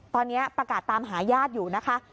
ตอนนี้ประกาศตามหาญาติอยู่นะคะ